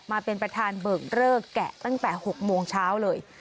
มาเป็นประธานเบิกเลิกแกะตั้งแต่๖โมงเช้าเลย